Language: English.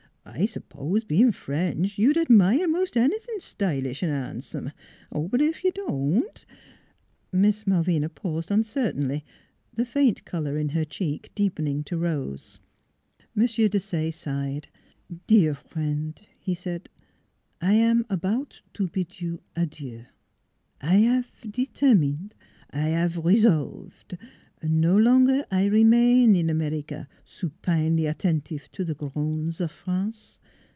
I s'posed, bein' French, you'd admire most anythin' stylish an' han'some. But ef you don't ' Miss Malvina paused uncertainly, the faint color in her cheeks deepening to rose. M. Desaye sighed. " Dear friend," he said, " I am about to bid you adieu. I 'ave determine ! I 'ave resolve 1 No longer I remain in America, supinely attentive to the groans of France.